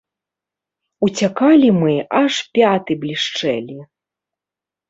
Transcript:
Уцякалі мы, аж пяты блішчэлі.